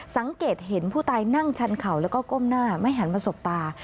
สังเกตเห็นผู้ตายนั่งชันเข่าแล้วก็ก้มหน้าไม่หันมาสบตา